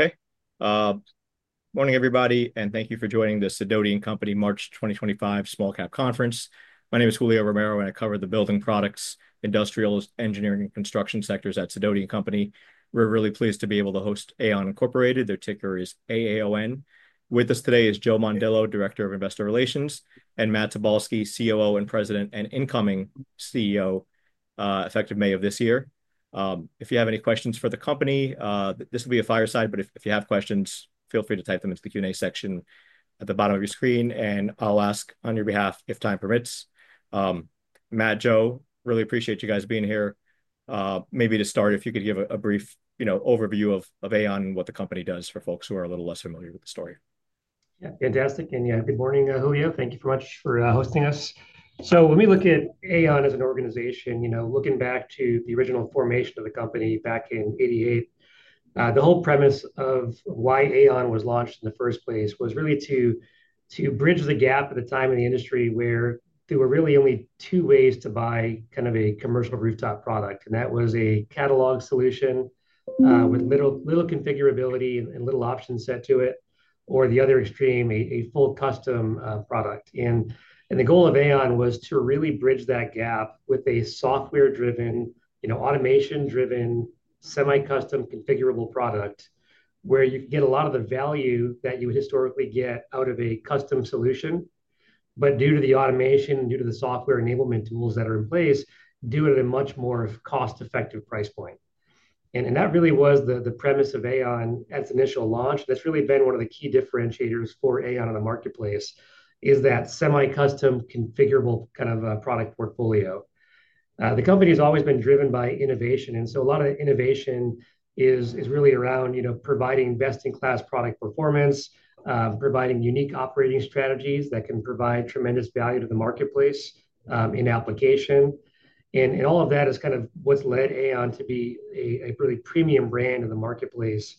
Okay. Morning, everybody, and thank you for joining the Sidoti & Company March 2025 small cap conference. My name is Julio Romero, and I cover the building products, industrial, engineering, and construction sectors at Sidoti & Company. We're really pleased to be able to host AAON. Their ticker is AAON. With us today is Joe Mondillo, Director of Investor Relations, and Matt Tobolski, COO and President and incoming CEO, effective May of this year. If you have any questions for the company, this will be a fireside, but if you have questions, feel free to type them into the Q&A section at the bottom of your screen, and I'll ask on your behalf if time permits. Matt, Joe, really appreciate you guys being here. Maybe to start, if you could give a brief overview of AAON and what the company does for folks who are a little less familiar with the story. Yeah, fantastic. Yeah, good morning, Julio. Thank you so much for hosting us. When we look at AAON as an organization, looking back to the original formation of the company back in 1988, the whole premise of why AAON was launched in the first place was really to bridge the gap at the time in the industry where there were really only two ways to buy kind of a commercial rooftop product, and that was a catalog solution with little configurability and little options set to it, or the other extreme, a full custom product. The goal of AAON was to really bridge that gap with a software-driven, automation-driven, semi-custom configurable product where you can get a lot of the value that you would historically get out of a custom solution, but due to the automation, due to the software enablement tools that are in place, do it at a much more cost-effective price point. That really was the premise of AAON at its initial launch. That's really been one of the key differentiators for AAON in the marketplace is that semi-custom configurable kind of product portfolio. The company has always been driven by innovation, and so a lot of the innovation is really around providing best-in-class product performance, providing unique operating strategies that can provide tremendous value to the marketplace in application. All of that is kind of what's led AAON to be a really premium brand in the marketplace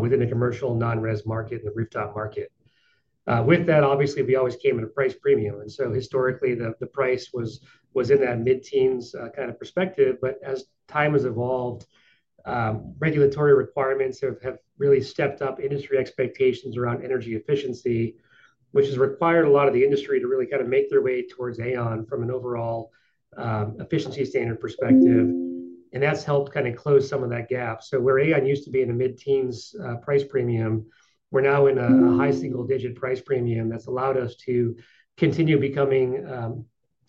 within the commercial non-res market and the rooftop market. With that, obviously, we always came at a price premium. Historically, the price was in that mid-teens kind of perspective. As time has evolved, regulatory requirements have really stepped up industry expectations around energy efficiency, which has required a lot of the industry to really kind of make their way towards AAON from an overall efficiency standard perspective. That's helped kind of close some of that gap. Where AAON used to be in a mid-teens price premium, we're now in a high single-digit price premium that's allowed us to continue becoming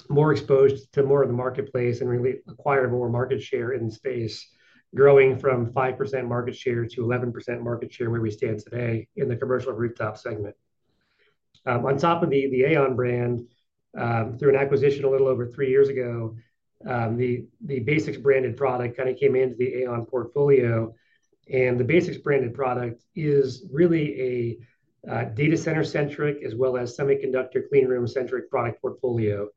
more exposed to more of the marketplace and really acquire more market share in the space, growing from 5% market share to 11% market share where we stand today in the commercial rooftop segment. On top of the AAON brand, through an acquisition a little over three years ago, the BASX branded product kind of came into the AAON portfolio. The BASX branded product is really a data center-centric as well as semiconductor clean room-centric product portfolio.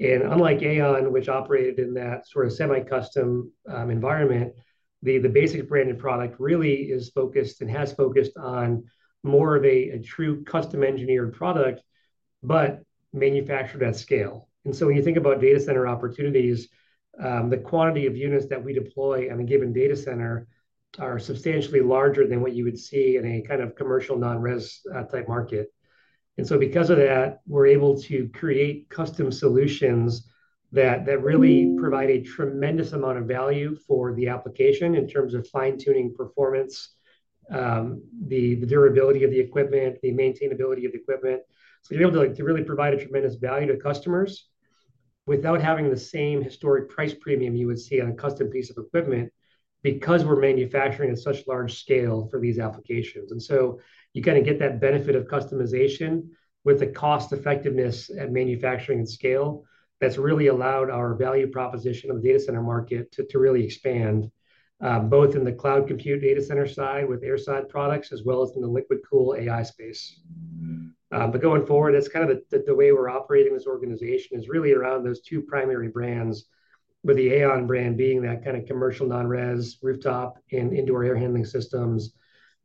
Unlike AAON, which operated in that sort of semi-custom environment, the BASX branded product really is focused and has focused on more of a true custom engineered product, but manufactured at scale. When you think about data center opportunities, the quantity of units that we deploy in a given data center are substantially larger than what you would see in a kind of commercial non-res type market. Because of that, we're able to create custom solutions that really provide a tremendous amount of value for the application in terms of fine-tuning performance, the durability of the equipment, the maintainability of the equipment. You're able to really provide a tremendous value to customers without having the same historic price premium you would see on a custom piece of equipment because we're manufacturing at such large scale for these applications. You kind of get that benefit of customization with the cost-effectiveness at manufacturing at scale. That has really allowed our value proposition of the data center market to really expand, both in the cloud compute data center side with airside products as well as in the liquid-cooled AI space. Going forward, that's kind of the way we're operating as an organization, really around those two primary brands, with the AAON brand being that kind of commercial non-res rooftop and indoor air handling systems,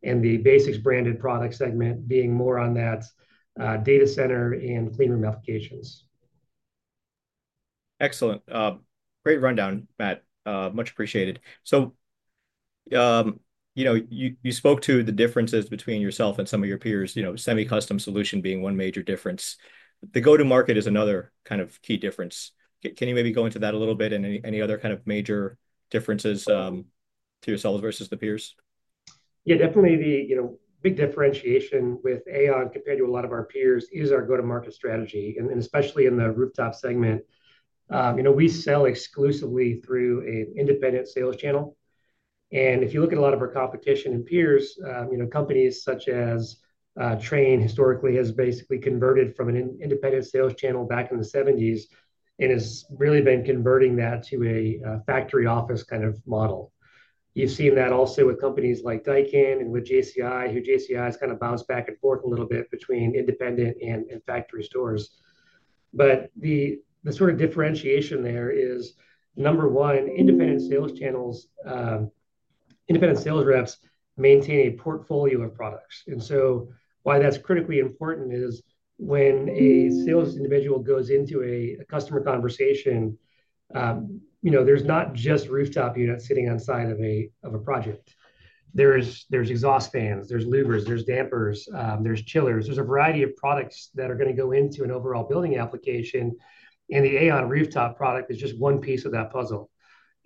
and the BASX branded product segment being more on that data center and clean room applications. Excellent. Great rundown, Matt. Much appreciated. You spoke to the differences between yourself and some of your peers, semi-custom solution being one major difference. The go-to-market is another kind of key difference. Can you maybe go into that a little bit and any other kind of major differences to yourselves versus the peers? Yeah, definitely the big differentiation with AAON compared to a lot of our peers is our go-to-market strategy, and especially in the rooftop segment. We sell exclusively through an independent sales channel. If you look at a lot of our competition and peers, companies such as Trane historically have basically converted from an independent sales channel back in the 1970s and have really been converting that to a factory office kind of model. You have seen that also with companies like Daikin and with JCI, who JCI has kind of bounced back and forth a little bit between independent and factory stores. The sort of differentiation there is, number one, independent sales channels, independent sales reps maintain a portfolio of products. Why that's critically important is when a sales individual goes into a customer conversation, there's not just rooftop units sitting on the side of a project. There's exhaust fans, there's louvers, there's dampers, there's chillers. There's a variety of products that are going to go into an overall building application, and the AAON rooftop product is just one piece of that puzzle.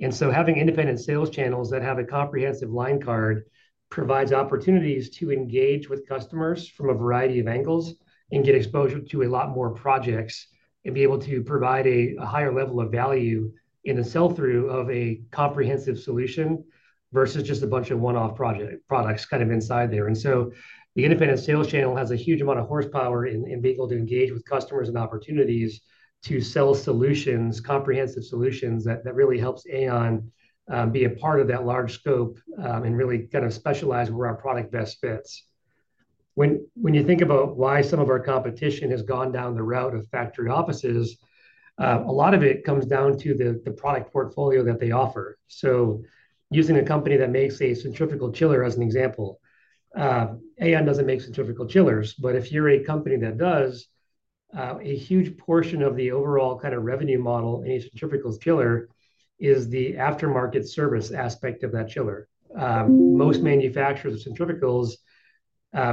Having independent sales channels that have a comprehensive line card provides opportunities to engage with customers from a variety of angles and get exposure to a lot more projects and be able to provide a higher level of value in the sell-through of a comprehensive solution versus just a bunch of one-off products kind of inside there. The independent sales channel has a huge amount of horsepower and being able to engage with customers and opportunities to sell solutions, comprehensive solutions that really helps AAON be a part of that large scope and really kind of specialize where our product best fits. When you think about why some of our competition has gone down the route of factory offices, a lot of it comes down to the product portfolio that they offer. Using a company that makes a centrifugal chiller as an example, AAON does not make centrifugal chillers, but if you are a company that does, a huge portion of the overall kind of revenue model in a centrifugal chiller is the aftermarket service aspect of that chiller. Most manufacturers of centrifugals,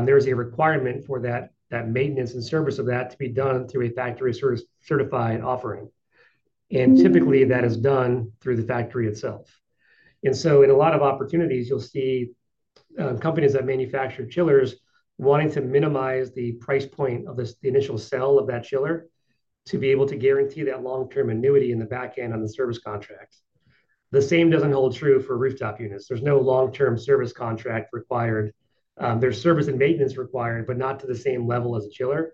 there is a requirement for that maintenance and service of that to be done through a factory-certified offering. Typically, that is done through the factory itself. In a lot of opportunities, you will see companies that manufacture chillers wanting to minimize the price point of the initial sell of that chiller to be able to guarantee that long-term annuity in the back end on the service contract. The same does not hold true for rooftop units. There is no long-term service contract required. There is service and maintenance required, but not to the same level as a chiller.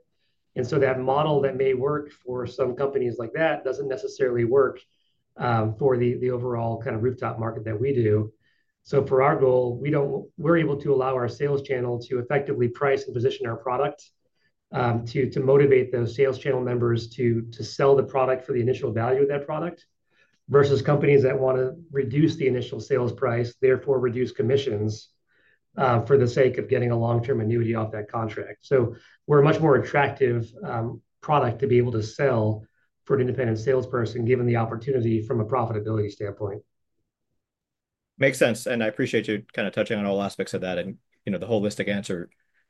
That model that may work for some companies like that does not necessarily work for the overall kind of rooftop market that we do. For our goal, we are able to allow our sales channel to effectively price and position our product to motivate those sales channel members to sell the product for the initial value of that product versus companies that want to reduce the initial sales price, therefore reduce commissions for the sake of getting a long-term annuity off that contract. We are a much more attractive product to be able to sell for an independent salesperson given the opportunity from a profitability standpoint. Makes sense. I appreciate you kind of touching on all aspects of that. The holistic answer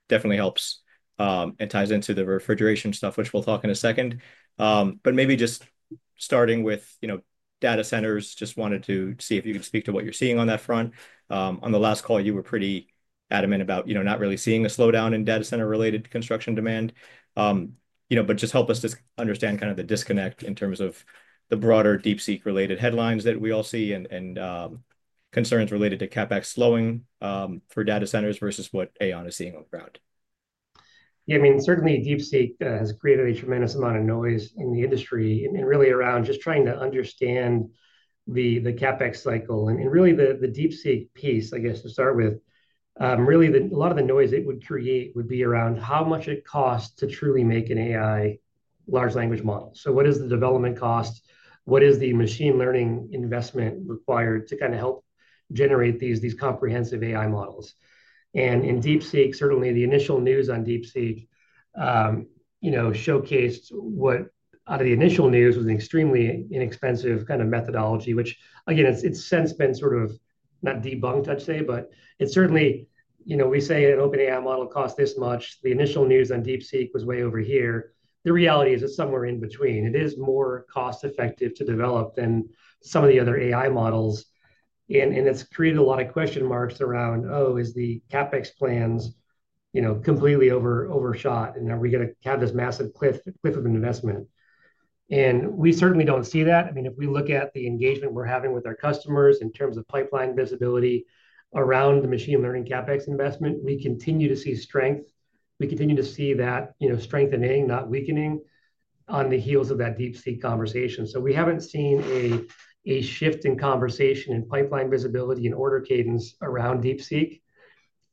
definitely helps and ties into the refrigeration stuff, which we'll talk in a second. Maybe just starting with data centers, just wanted to see if you could speak to what you're seeing on that front. On the last call, you were pretty adamant about not really seeing a slowdown in data center-related construction demand. Just help us understand kind of the disconnect in terms of the broader DeepSeek-related headlines that we all see and concerns related to CapEx slowing for data centers versus what AAON is seeing on the ground. Yeah, I mean, certainly DeepSeek has created a tremendous amount of noise in the industry and really around just trying to understand the CapEx cycle. Really the DeepSeek piece, I guess, to start with, really a lot of the noise it would create would be around how much it costs to truly make an AI large language model. So what is the development cost? What is the machine learning investment required to kind of help generate these comprehensive AI models? In DeepSeek, certainly the initial news on DeepSeek showcased what out of the initial news was an extremely inexpensive kind of methodology, which, again, it's since been sort of not debunked, I'd say, but it's certainly we say an OpenAI model costs this much. The initial news on DeepSeek was way over here. The reality is it's somewhere in between. It is more cost-effective to develop than some of the other AI models. It has created a lot of question marks around, oh, is the CapEx plans completely overshot? Are we going to have this massive cliff of investment? We certainly do not see that. I mean, if we look at the engagement we are having with our customers in terms of pipeline visibility around the machine learning CapEx investment, we continue to see strength. We continue to see that strengthening, not weakening on the heels of that DeepSeek conversation. We have not seen a shift in conversation in pipeline visibility and order cadence around DeepSeek.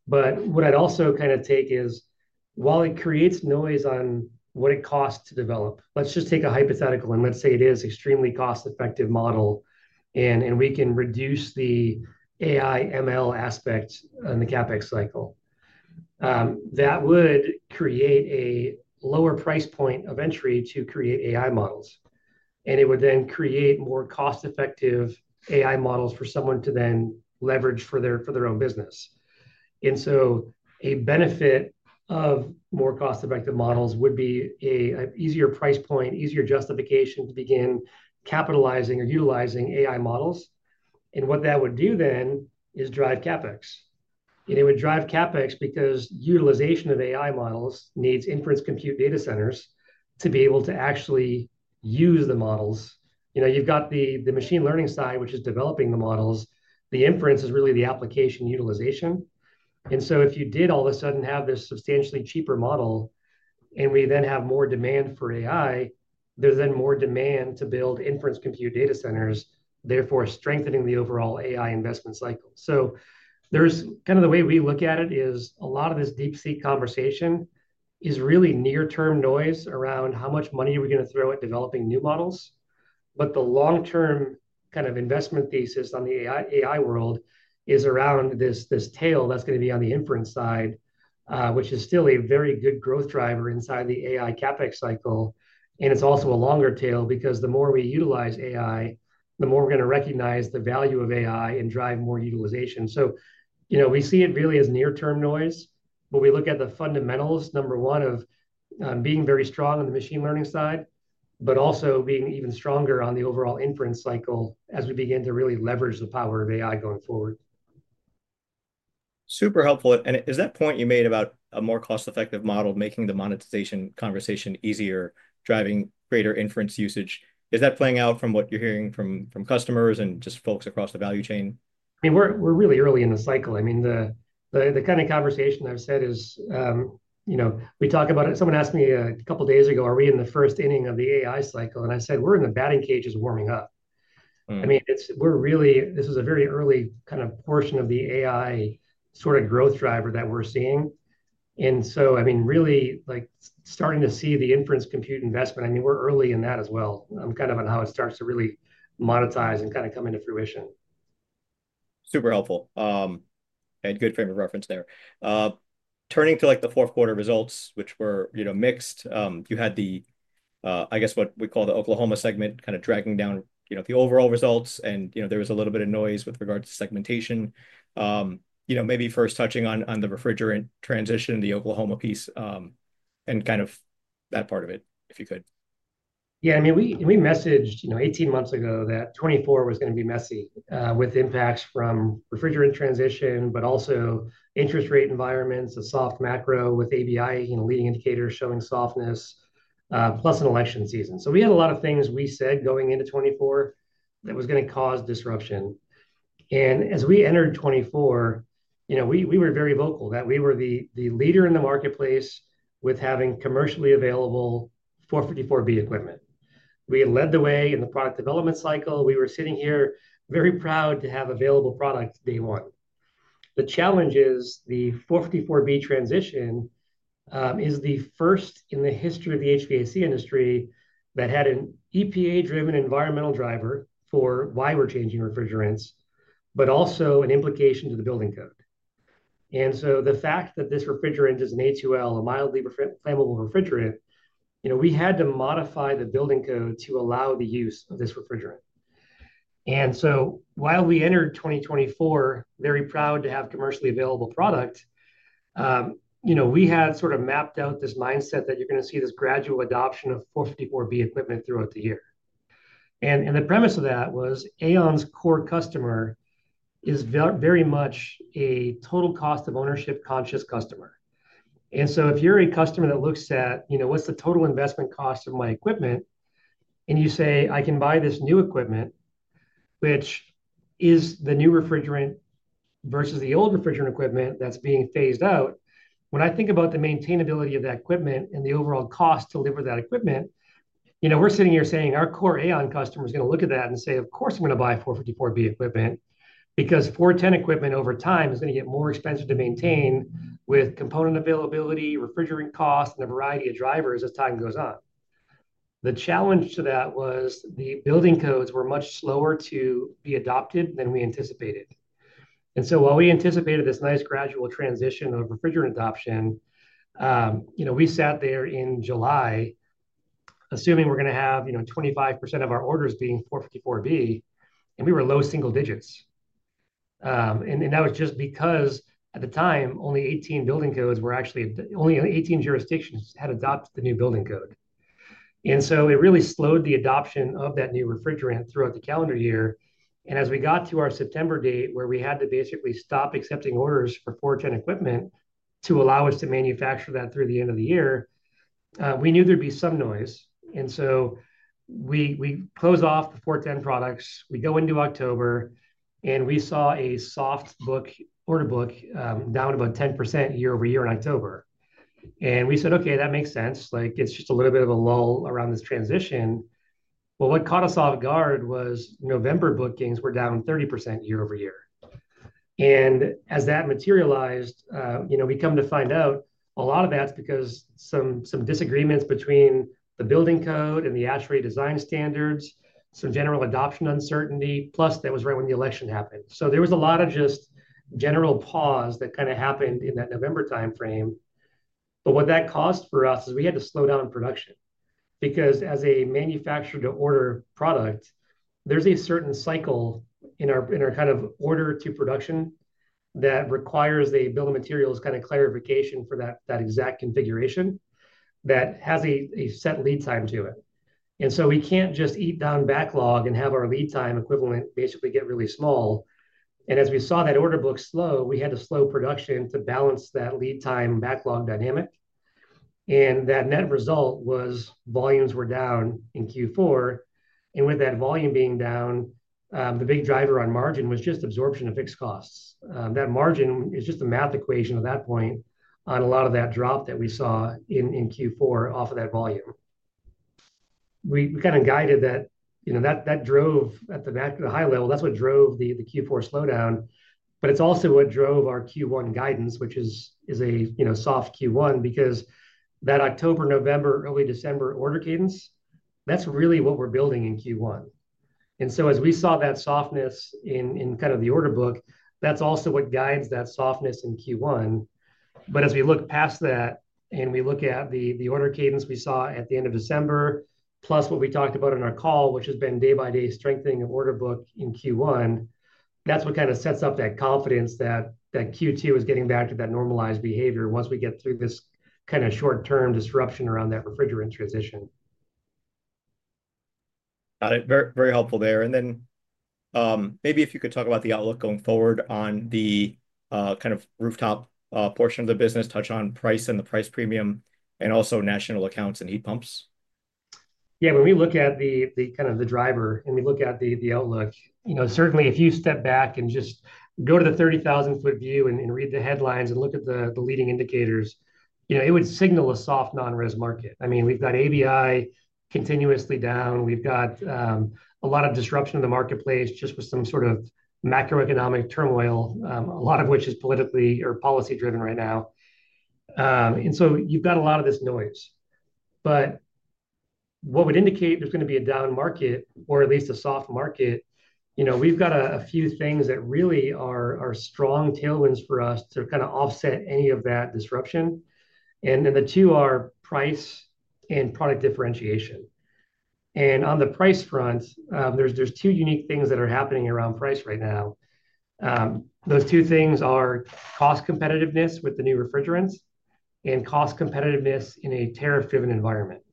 What I'd also kind of take is while it creates noise on what it costs to develop, let's just take a hypothetical and let's say it is an extremely cost-effective model and we can reduce the AI/ML aspect on the CapEx cycle, that would create a lower price point of entry to create AI models. It would then create more cost-effective AI models for someone to then leverage for their own business. A benefit of more cost-effective models would be an easier price point, easier justification to begin capitalizing or utilizing AI models. What that would do then is drive CapEx. It would drive CapEx because utilization of AI models needs inference compute data centers to be able to actually use the models. You've got the machine learning side, which is developing the models. The inference is really the application utilization. If you did all of a sudden have this substantially cheaper model and we then have more demand for AI, there's then more demand to build inference compute data centers, therefore strengthening the overall AI investment cycle. The way we look at it is a lot of this DeepSeek conversation is really near-term noise around how much money are we going to throw at developing new models. The long-term kind of investment thesis on the AI world is around this tail that's going to be on the inference side, which is still a very good growth driver inside the AI CapEx cycle. It's also a longer tail because the more we utilize AI, the more we're going to recognize the value of AI and drive more utilization. We see it really as near-term noise, but we look at the fundamentals, number one, of being very strong on the machine learning side, but also being even stronger on the overall inference cycle as we begin to really leverage the power of AI going forward. Super helpful. Is that point you made about a more cost-effective model making the monetization conversation easier, driving greater inference usage, is that playing out from what you're hearing from customers and just folks across the value chain? I mean, we're really early in the cycle. I mean, the kind of conversation I've said is we talk about it. Someone asked me a couple of days ago, are we in the first inning of the AI cycle? I said, we're in the batting cages warming up. I mean, this is a very early kind of portion of the AI sort of growth driver that we're seeing. I mean, really starting to see the inference compute investment, I mean, we're early in that as well kind of on how it starts to really monetize and kind of come into fruition. Super helpful and good frame of reference there. Turning to the fourth quarter results, which were mixed, you had the, I guess, what we call the Oklahoma segment kind of dragging down the overall results, and there was a little bit of noise with regards to segmentation. Maybe first touching on the refrigerant transition, the Oklahoma piece, and kind of that part of it, if you could. Yeah, I mean, we messaged 18 months ago that 2024 was going to be messy with impacts from refrigerant transition, but also interest rate environments, a soft macro with ABI leading indicators showing softness, plus an election season. We had a lot of things we said going into 2024 that was going to cause disruption. As we entered 2024, we were very vocal that we were the leader in the marketplace with having commercially available 454B equipment. We led the way in the product development cycle. We were sitting here very proud to have available product day one. The challenge is the 454B transition is the first in the history of the HVAC industry that had an EPA-driven environmental driver for why we're changing refrigerants, but also an implication to the building code. The fact that this refrigerant is an A2L, a mildly flammable refrigerant, we had to modify the building code to allow the use of this refrigerant. While we entered 2024, very proud to have commercially available product, we had sort of mapped out this mindset that you're going to see this gradual adoption of 454B equipment throughout the year. The premise of that was AAON's core customer is very much a total cost of ownership conscious customer. If you're a customer that looks at what's the total investment cost of my equipment, and you say, "I can buy this new equipment," which is the new refrigerant versus the old refrigerant equipment that's being phased out, when I think about the maintainability of that equipment and the overall cost to deliver that equipment, we're sitting here saying our core AAON customer is going to look at that and say, "Of course, I'm going to buy 454B equipment," because 410 equipment over time is going to get more expensive to maintain with component availability, refrigerant costs, and a variety of drivers as time goes on. The challenge to that was the building codes were much slower to be adopted than we anticipated. While we anticipated this nice gradual transition of refrigerant adoption, we sat there in July assuming we were going to have 25% of our orders being 454B, and we were low single digits. That was just because at the time, only 18 building codes were actually only 18 jurisdictions had adopted the new building code. It really slowed the adoption of that new refrigerant throughout the calendar year. As we got to our September date where we had to basically stop accepting orders for 410 equipment to allow us to manufacture that through the end of the year, we knew there would be some noise. We closed off the 410 products. We go into October, and we saw a soft order book down about 10% year-over-year in October. We said, "Okay, that makes sense. It's just a little bit of a lull around this transition. What caught us off guard was November bookings were down 30% year-over-year. As that materialized, we come to find out a lot of that's because some disagreements between the building code and the ASHRAE design standards, some general adoption uncertainty, plus that was right when the election happened. There was a lot of just general pause that kind of happened in that November time frame. What that cost for us is we had to slow down production because as a manufacturer to order product, there's a certain cycle in our kind of order to production that requires a bill of materials kind of clarification for that exact configuration that has a set lead time to it. We can't just eat down backlog and have our lead time equivalent basically get really small. As we saw that order book slow, we had to slow production to balance that lead time backlog dynamic. The net result was volumes were down in Q4. With that volume being down, the big driver on margin was just absorption of fixed costs. That margin is just a math equation at that point on a lot of that drop that we saw in Q4 off of that volume. We kind of guided that that drove at the high level. That's what drove the Q4 slowdown. It's also what drove our Q1 guidance, which is a soft Q1 because that October, November, early December order cadence, that's really what we're building in Q1. As we saw that softness in kind of the order book, that's also what guides that softness in Q1. As we look past that and we look at the order cadence we saw at the end of December, plus what we talked about in our call, which has been day-by-day strengthening of order book in Q1, that's what kind of sets up that confidence that Q2 is getting back to that normalized behavior once we get through this kind of short-term disruption around that refrigerant transition. Got it. Very helpful there. Maybe if you could talk about the outlook going forward on the kind of rooftop portion of the business, touch on price and the price premium and also national accounts and heat pumps. Yeah, when we look at the kind of the driver and we look at the outlook, certainly if you step back and just go to the 30,000-ft view and read the headlines and look at the leading indicators, it would signal a soft non-res market. I mean, we've got ABI continuously down. We've got a lot of disruption in the marketplace just with some sort of macroeconomic turmoil, a lot of which is politically or policy-driven right now. You have got a lot of this noise. What would indicate there's going to be a down market or at least a soft market, we've got a few things that really are strong tailwinds for us to kind of offset any of that disruption. The two are price and product differentiation. On the price front, there are two unique things that are happening around price right now. Those two things are cost competitiveness with the new refrigerants and cost competitiveness in a tariff-driven environment.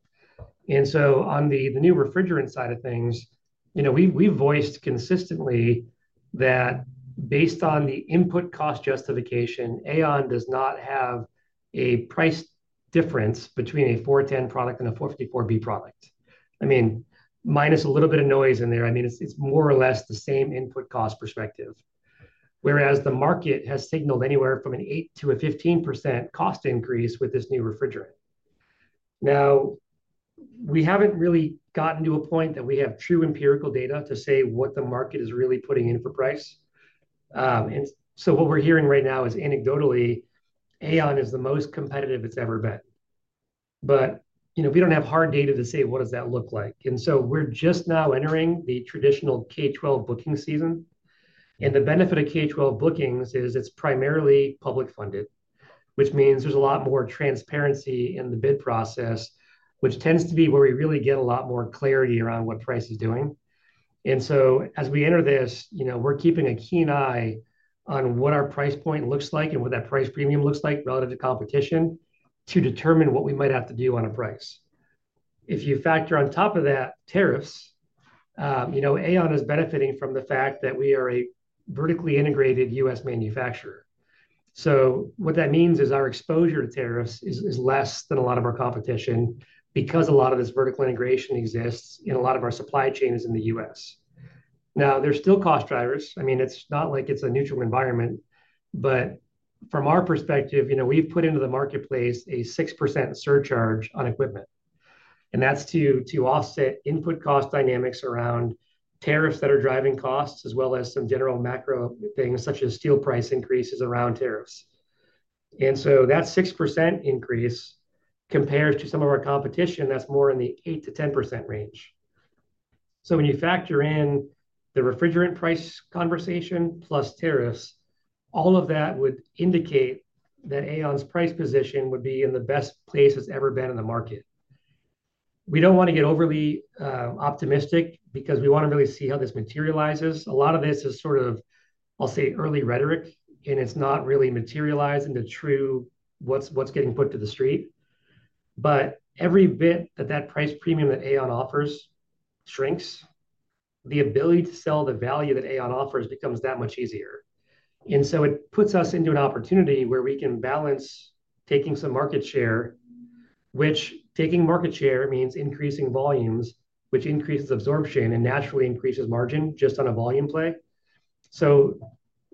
On the new refrigerant side of things, we've voiced consistently that based on the input cost justification, AAON does not have a price difference between a 410 product and a 454B product. I mean, minus a little bit of noise in there, I mean, it's more or less the same input cost perspective. Whereas the market has signaled anywhere from an 8%-15% cost increase with this new refrigerant. Now, we haven't really gotten to a point that we have true empirical data to say what the market is really putting in for price. What we're hearing right now is anecdotally, AAON is the most competitive it's ever been. We don't have hard data to say what does that look like. We are just now entering the traditional K-12 booking season. The benefit of K-12 bookings is it's primarily public funded, which means there's a lot more transparency in the bid process, which tends to be where we really get a lot more clarity around what price is doing. As we enter this, we're keeping a keen eye on what our price point looks like and what that price premium looks like relative to competition to determine what we might have to do on a price. If you factor on top of that tariffs, AAON is benefiting from the fact that we are a vertically integrated U.S. manufacturer. What that means is our exposure to tariffs is less than a lot of our competition because a lot of this vertical integration exists in a lot of our supply chains in the U.S. Now, there's still cost drivers. I mean, it's not like it's a neutral environment. From our perspective, we've put into the marketplace a 6% surcharge on equipment. That's to offset input cost dynamics around tariffs that are driving costs as well as some general macro things such as steel price increases around tariffs. That 6% increase compares to some of our competition that's more in the 8%-10% range. When you factor in the refrigerant price conversation plus tariffs, all of that would indicate that AAON's price position would be in the best place it's ever been in the market. We don't want to get overly optimistic because we want to really see how this materializes. A lot of this is sort of, I'll say, early rhetoric, and it's not really materialized into true what's getting put to the street. Every bit that that price premium that AAON offers shrinks, the ability to sell the value that AAON offers becomes that much easier. It puts us into an opportunity where we can balance taking some market share, which taking market share means increasing volumes, which increases absorption and naturally increases margin just on a volume play.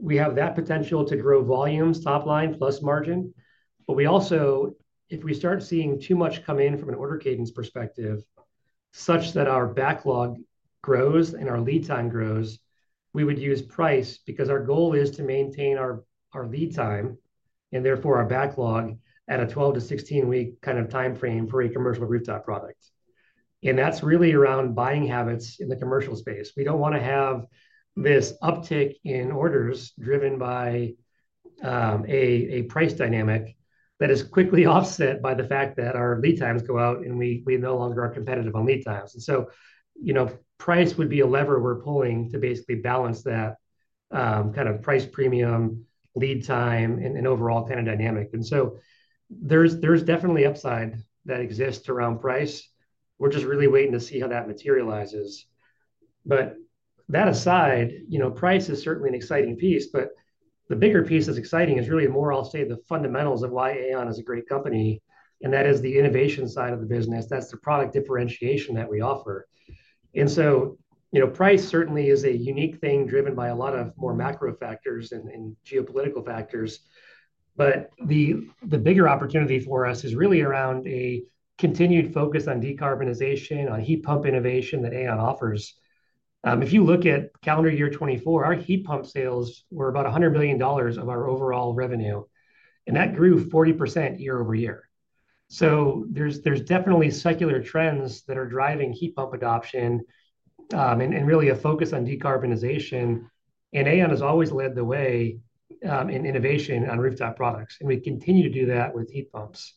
We have that potential to grow volumes, top line, plus margin. If we start seeing too much come in from an order cadence perspective such that our backlog grows and our lead time grows, we would use price because our goal is to maintain our lead time and therefore our backlog at a 12 week-16 week kind of time frame for a commercial rooftop product. That is really around buying habits in the commercial space. We do not want to have this uptick in orders driven by a price dynamic that is quickly offset by the fact that our lead times go out and we no longer are competitive on lead times. Price would be a lever we are pulling to basically balance that kind of price premium, lead time, and overall kind of dynamic. There is definitely upside that exists around price. We are just really waiting to see how that materializes. That aside, price is certainly an exciting piece. The bigger piece that is exciting is really more, I will say, the fundamentals of why AAON is a great company. That is the innovation side of the business. That is the product differentiation that we offer. Price certainly is a unique thing driven by a lot of more macro factors and geopolitical factors. The bigger opportunity for us is really around a continued focus on decarbonization, on heat pump innovation that AAON offers. If you look at calendar year 2024, our heat pump sales were about $100 million of our overall revenue. That grew 40% year-over-year. There are definitely secular trends that are driving heat pump adoption and really a focus on decarbonization. AAON has always led the way in innovation on rooftop products. We continue to do that with heat pumps.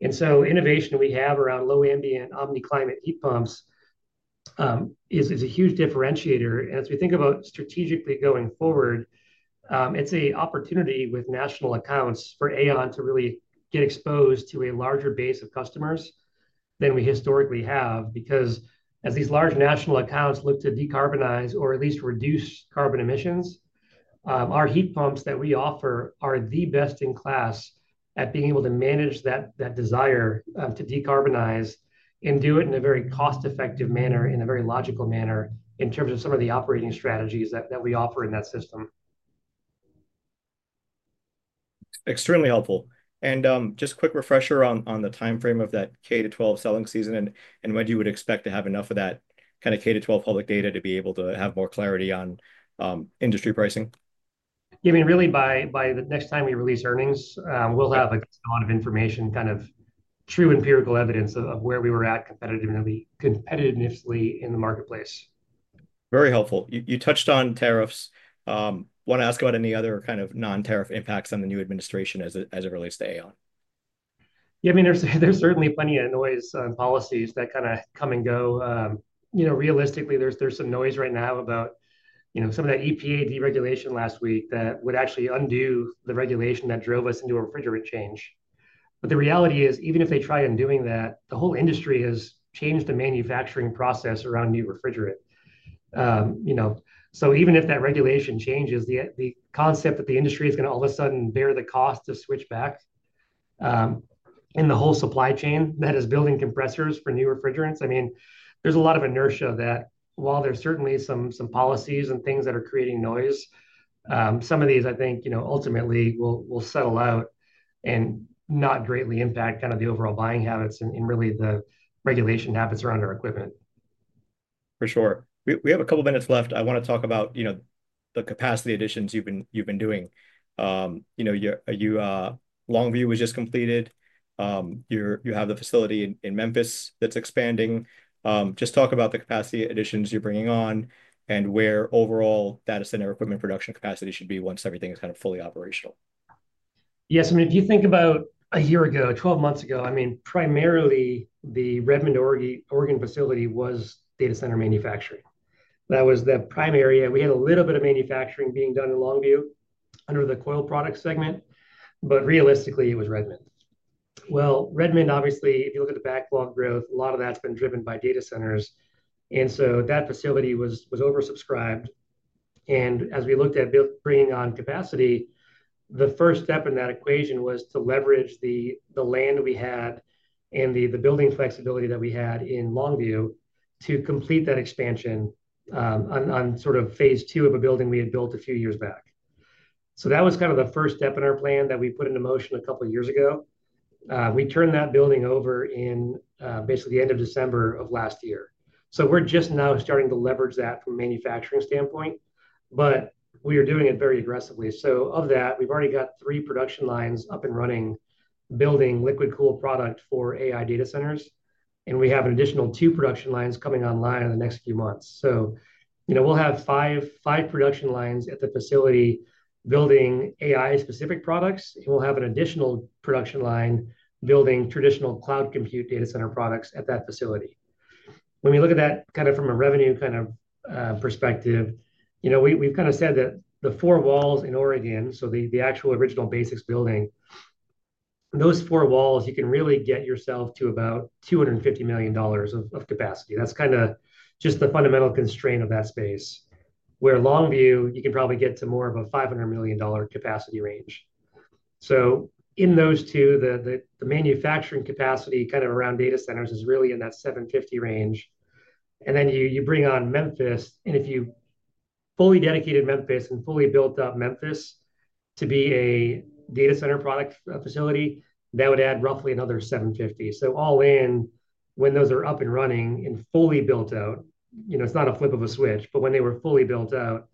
Innovation we have around low ambient omni-climate heat pumps is a huge differentiator. As we think about strategically going forward, it's an opportunity with national accounts for AAON to really get exposed to a larger base of customers than we historically have because as these large national accounts look to decarbonize or at least reduce carbon emissions, our heat pumps that we offer are the best in class at being able to manage that desire to decarbonize and do it in a very cost-effective manner in a very logical manner in terms of some of the operating strategies that we offer in that system. Extremely helpful. Just a quick refresher on the time frame of that K-12 selling season and when you would expect to have enough of that kind of K-12 public data to be able to have more clarity on industry pricing. I mean, really, by the next time we release earnings, we'll have a lot of information, kind of true empirical evidence of where we were at competitiveness in the marketplace. Very helpful. You touched on tariffs. Want to ask about any other kind of non-tariff impacts on the new administration as it relates to AAON? Yeah, I mean, there's certainly plenty of noise on policies that kind of come and go. Realistically, there's some noise right now about some of that EPA deregulation last week that would actually undo the regulation that drove us into a refrigerant change. The reality is, even if they try in doing that, the whole industry has changed the manufacturing process around new refrigerant. Even if that regulation changes, the concept that the industry is going to all of a sudden bear the cost to switch back in the whole supply chain that is building compressors for new refrigerants, I mean, there's a lot of inertia that while there's certainly some policies and things that are creating noise, some of these, I think, ultimately will settle out and not greatly impact kind of the overall buying habits and really the regulation habits around our equipment. For sure. We have a couple of minutes left. I want to talk about the capacity additions you've been doing. Longview was just completed. You have the facility in Memphis that's expanding. Just talk about the capacity additions you're bringing on and where overall data center equipment production capacity should be once everything is kind of fully operational. Yes. I mean, if you think about a year ago, 12 months ago, I mean, primarily the Redmond, Oregon facility was data center manufacturing. That was the primary. We had a little bit of manufacturing being done in Longview under the coil product segment. Realistically, it was Redmond. Redmond, obviously, if you look at the backlog growth, a lot of that's been driven by data centers. That facility was oversubscribed. As we looked at bringing on capacity, the first step in that equation was to leverage the land we had and the building flexibility that we had in Longview to complete that expansion on sort of phase two of a building we had built a few years back. That was kind of the first step in our plan that we put into motion a couple of years ago. We turned that building over in basically the end of December of last year. We are just now starting to leverage that from a manufacturing standpoint. We are doing it very aggressively. Of that, we have already got three production lines up and running building liquid cool product for AI data centers. We have an additional two production lines coming online in the next few months. We will have five production lines at the facility building AI-specific products. We will have an additional production line building traditional cloud compute data center products at that facility. When we look at that kind of from a revenue kind of perspective, we have kind of said that the four walls in Oregon, so the actual original BASX building, those four walls, you can really get yourself to about $250 million of capacity. That is just the fundamental constraint of that space. Where Longview, you can probably get to more of a $500 million capacity range. In those two, the manufacturing capacity kind of around data centers is really in that 750 range. You bring on Memphis. If you fully dedicated Memphis and fully built up Memphis to be a data center product facility, that would add roughly another 750. All in, when those are up and running and fully built out, it's not a flip of a switch. When they were fully built out,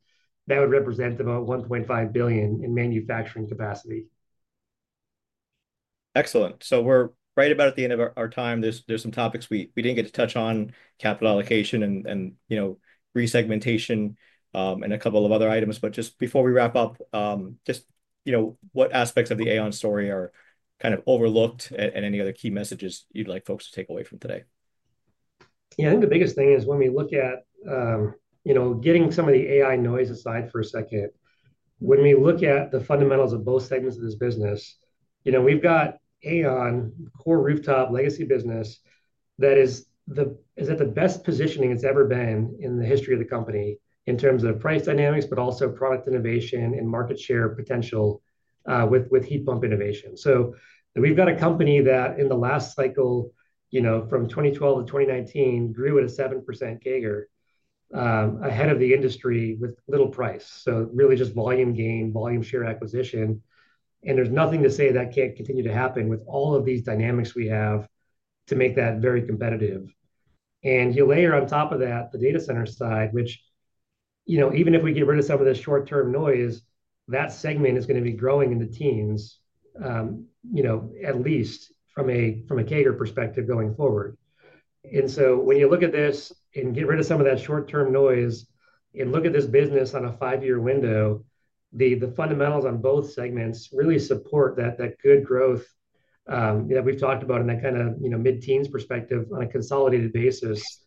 that would represent about $1.5 billion in manufacturing capacity. Excellent. We're right about at the end of our time. There are some topics we did not get to touch on: capital allocation and resegmentation and a couple of other items. Just before we wrap up, what aspects of the AAON story are kind of overlooked and any other key messages you'd like folks to take away from today? Yeah. I think the biggest thing is when we look at getting some of the AI noise aside for a second, when we look at the fundamentals of both segments of this business, we've got AAON, core rooftop legacy business that is at the best positioning it's ever been in the history of the company in terms of price dynamics, but also product innovation and market share potential with heat pump innovation. We've got a company that in the last cycle from 2012 to 2019 grew at a 7% CAGR ahead of the industry with little price. Really just volume gain, volume share acquisition. There's nothing to say that can't continue to happen with all of these dynamics we have to make that very competitive. You layer on top of that the data center side, which even if we get rid of some of the short-term noise, that segment is going to be growing in the teens, at least from a CAGR perspective going forward. When you look at this and get rid of some of that short-term noise and look at this business on a five-year window, the fundamentals on both segments really support that good growth that we've talked about and that kind of mid-teens perspective on a consolidated basis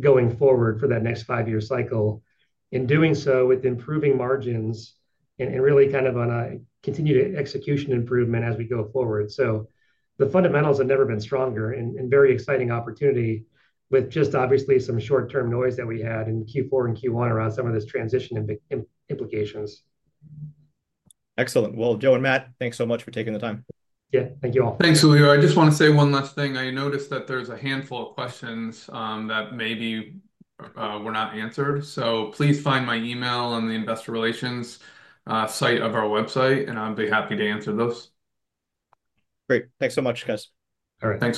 going forward for that next five-year cycle. Doing so with improving margins and really kind of on a continued execution improvement as we go forward. The fundamentals have never been stronger and very exciting opportunity with just obviously some short-term noise that we had in Q4 and Q1 around some of this transition implications. Excellent. Joe and Matt, thanks so much for taking the time. Yeah. Thank you all. Thanks, Julio. I just want to say one last thing. I noticed that there's a handful of questions that maybe were not answered. Please find my email on the investor relations site of our website, and I'll be happy to answer those. Great. Thanks so much, guys. All right. Thanks.